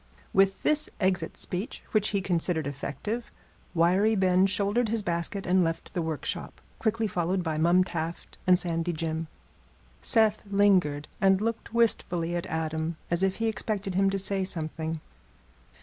With this exit speech, which he considered effective, Wiry Ben shouldered his basket and left the workshop, quickly followed by Mum Taft and Sandy Jim. Seth lingered, and looked wistfully at Adam, as if he expected him to say something.